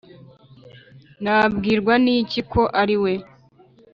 nabwirwa n'iki ko ari we?